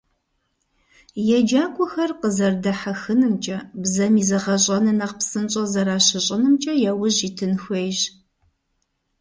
ЕджакӀуэхэр къэзэрыдэхьэхынымкӀэ, бзэм и зэгъэщӀэныр нэхъ псынщӀэ зэращыщӀынымкӀэ яужь итын хуейщ.